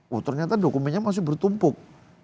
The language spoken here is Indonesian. oh ternyata dokumennya masih bertumpuk